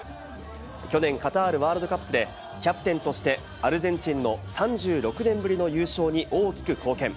去年カタールワールドカップでキャプテンとしてアルゼンチンの３６年ぶりの優勝に大きく貢献。